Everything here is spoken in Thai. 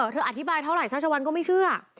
เธออธิบายเท่าไรชัชชวันก็ไม่เชื่อ